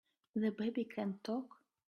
The baby can TALK!